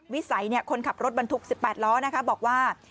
วิสัยคนขับรถบรรทุก๑๘ล้อนะคะบอกว่า